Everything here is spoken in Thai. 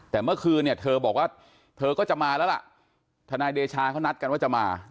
แต่เมื่อคืนเนี่ยเธอบอกว่าเธอก็จะมาแล้วล่ะทนายเดชาเขานัดกันว่าจะมา